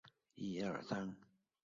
从马甸向东不远便是六铺炕。